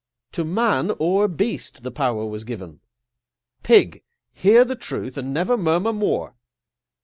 To man o'er beast the power was given; Pig, hear the truth, and never murmur more!